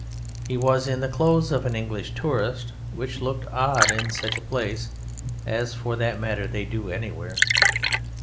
He was in the clothes of an English tourist, which looked odd in such a place, as, for that matter, they do anywhere.